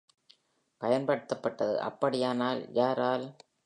பயன்படுத்தப்பட்டது, அப்படியானால், யாரால்?